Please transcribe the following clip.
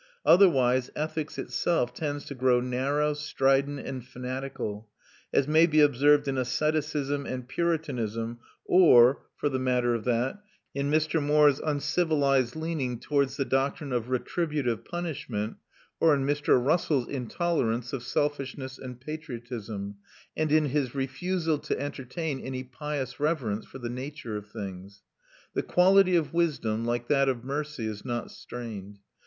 Otherwise ethics itself tends to grow narrow, strident, and fanatical; as may be observed in asceticism and puritanism, or, for the matter of that, in Mr. Moore's uncivilised leaning towards the doctrine of retributive punishment, or in Mr. Russell's intolerance of selfishness and patriotism, and in his refusal to entertain any pious reverence for the nature of things. The quality of wisdom, like that of mercy, is not strained.